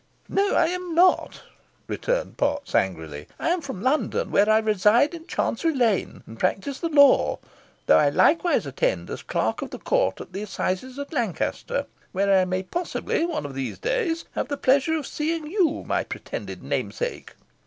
"No, I am not," returned Potts, angrily, "I am from London, where I reside in Chancery lane, and practise the law, though I likewise attend as clerk of the court at the assizes at Lancaster, where I may possibly, one of these days, have the pleasure of seeing you, my pretended namesake."